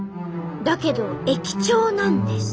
だけど駅長なんです。